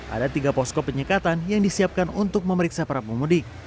ada tiga posko penyekatan yang disiapkan untuk memeriksa para pemudik